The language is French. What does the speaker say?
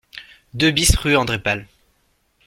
deux BIS rue André Pal